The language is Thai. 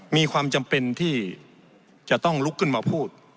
มีความจำเป็นที่จะต้องลุกขึ้นมาพูด